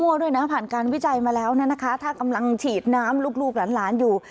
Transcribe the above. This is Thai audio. เมื่อกี้เราผ่านการวิจัยมาแล้วนะแนะค้ะถ้ากำลังฉีดน้ำลูกหลานอยู่